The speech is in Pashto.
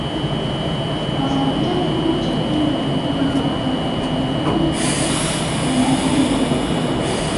ازادي راډیو د د جګړې راپورونه په اړه د حل کولو لپاره وړاندیزونه کړي.